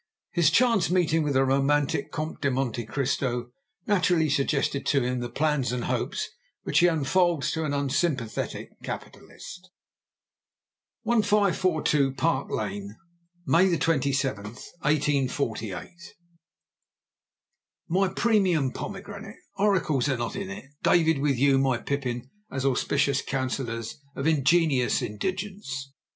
His chance meeting with the romantic Comte de Monte Cristo naturally suggested to him the plans and hopes which he unfolds to an unsympathetic capitalist. 1542 Park Lane, May 27, 1848. MY PREMIUM POMEGRANATE,—Oracles are not in it, David, with you, my pippin, as auspicious counsellors of ingenious indigence.